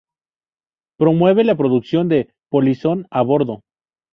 Promueve la producción de "¡¡Polizón a bordo!!